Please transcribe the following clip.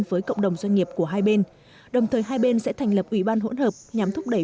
với cộng đồng doanh nghiệp của hai bên đồng thời hai bên sẽ thành lập ủy ban hỗn hợp nhằm thúc đẩy